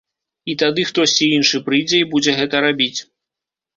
І тады хтосьці іншы прыйдзе і будзе гэта рабіць.